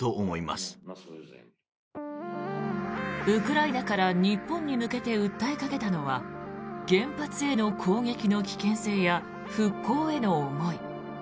ウクライナから日本に向けて訴えかけたのは原発への攻撃の危険性や復興への思い。